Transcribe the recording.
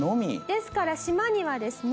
ですから島にはですね。